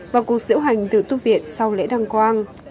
và cuộc diễu hành từ thu viện sau lễ đăng quang